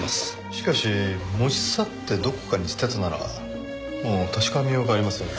しかし持ち去ってどこかに捨てたならもう確かめようがありませんよ。